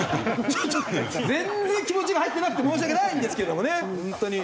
全然気持ちが入ってなくて申し訳ないんですけどもね本当に。